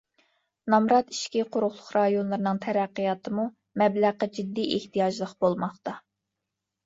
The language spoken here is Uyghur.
نامرات ئىچكى قۇرۇقلۇق رايونلىرىنىڭ تەرەققىياتىمۇ مەبلەغقە جىددىي ئېھتىياجلىق بولماقتا.